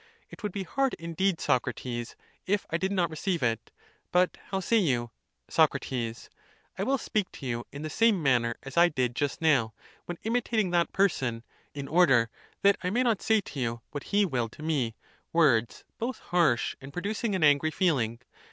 It would be hard indeed, Socrates, if I did not re ceive it. But how say you? [28.] Soc. I will speak to you in the same manner as I did just now, when imitating that person, in order that I may not say to you, what he will to me, words both harsh and pro ducing an angry feeling.